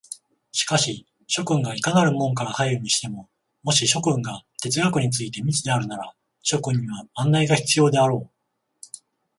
しかし諸君がいかなる門から入るにしても、もし諸君が哲学について未知であるなら、諸君には案内が必要であろう。